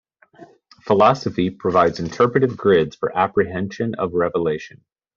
Philosophy provides interpretive grids for apprehension of revelation.